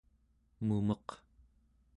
mumeq